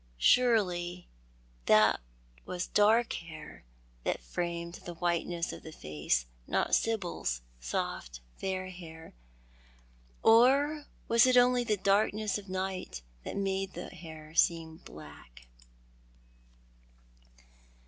Surely that was dark hair that framed the whiteness of tho face, not Sibyl's soft, fair hair. Or was it only tho darkness of night that made the hair seem black